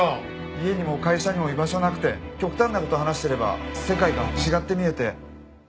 家にも会社にも居場所なくて極端な事を話してれば世界が違って見えて。